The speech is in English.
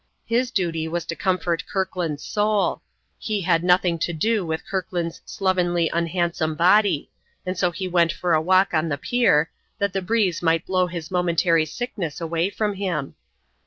His duty was to comfort Kirkland's soul; he had nothing to do with Kirkland's slovenly unhandsome body, and so he went for a walk on the pier, that the breeze might blow his momentary sickness away from him.